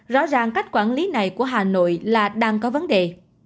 rõ ràng cách quản lý này của hà nội là đang có vấn đề